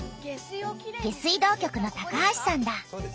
下水道局の橋さんだ。